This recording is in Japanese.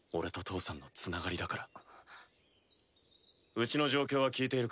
うちの状況は聞いているか？